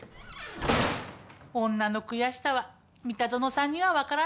女の悔しさは三田園さんにはわからないか。